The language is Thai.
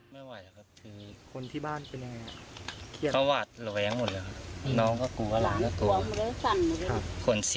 ไม่ไหวเหรอครับคือ